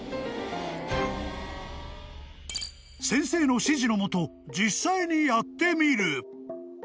［先生の指示の下実際にやってみる］